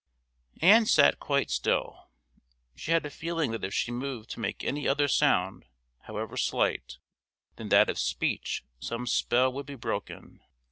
Ann sat quite still; she had a feeling that if she moved to make any other sound, however slight, than that of speech some spell would be broken.